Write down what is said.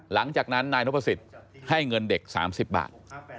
หลังจากนั้นนายนพสิทธิ์ให้เงินเด็ก๓๐บาท